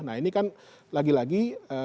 nah ini kan lagi lagi